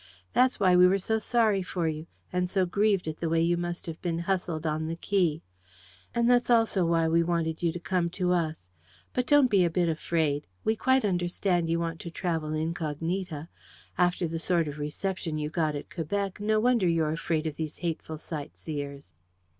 That's why we were so sorry for you, and so grieved at the way you must have been hustled on the quay. And that's also why we wanted you to come to us... But don't be a bit afraid. We quite understand you want to travel incognita. After the sort of reception you got at Quebec, no wonder you're afraid of these hateful sightseers!...